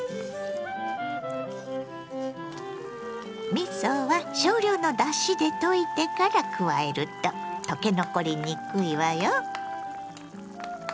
みそは少量のだしで溶いてから加えると溶け残りにくいわよ。